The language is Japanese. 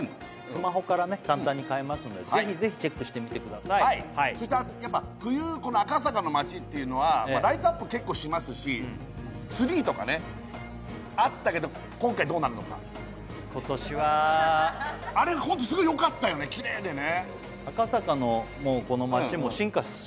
スマホからね簡単に買えますのでぜひぜひチェックしてみてくださいそしてやっぱ結構しますしツリーとかねあったけど今回どうなるのか今年はあれすごいよかったよねキレイでね